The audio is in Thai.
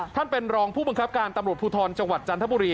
ท่านเป็นรองผู้บังคับการตำรวจภูทรจังหวัดจันทบุรี